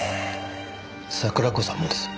桜子さんもです。